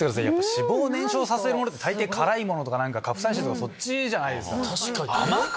脂肪を燃焼させるものって辛いものとかカプサイシンとかそっちじゃないですか。